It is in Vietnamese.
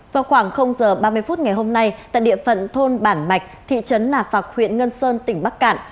vào khoảng h ba mươi phút ngày hôm nay tại địa phận thôn bản mạch thị trấn nà phạc huyện ngân sơn tỉnh bắc cạn